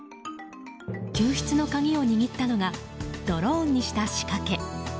救出の鍵を握ったのがドローンにした仕掛け。